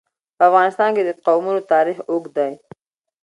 په افغانستان کې د قومونه تاریخ اوږد دی.